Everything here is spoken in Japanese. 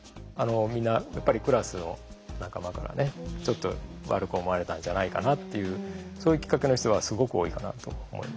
みんなやっぱりクラスの仲間からねちょっと悪く思われたんじゃないかなっていうそういうきっかけの人はすごく多いかなと思います。